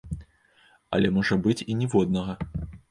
Але можа быць і ніводнага.